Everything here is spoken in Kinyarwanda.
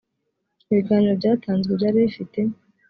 ibiganiro byatanzwe byari bifite